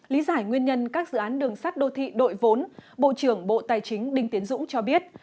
lý giải nguyên nhân các dự án đường sắt đô thị đội vốn bộ trưởng bộ tài chính đinh tiến dũng cho biết